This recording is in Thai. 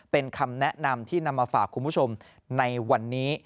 เป็นคำแนะนำที่นำมาฝากคุณผู้ชมในวันนี้